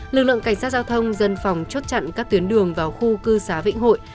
lực lượng cảnh sát giao thông dân phòng chốt chặn các tuyến đường vào khu cư xá vĩnh hội